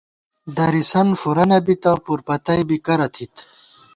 درِسن فُورہ نہ بِتہ پُر پتئ بی کرہ تھِت